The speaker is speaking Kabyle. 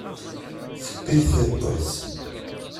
Tewwi-t tiṭ-is.